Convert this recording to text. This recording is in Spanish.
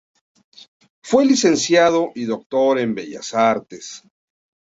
Fue licenciado y doctor en Bellas Artes.